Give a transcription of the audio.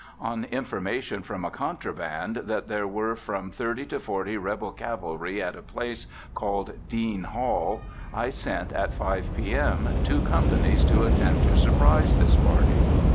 On information from a contraband that there were from thirty to forty Rebel cavalry at a place called Dean Hall I sent, at 5:00 P.M. two companies to attempt to surprise this party.